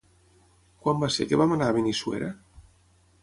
Quan va ser que vam anar a Benissuera?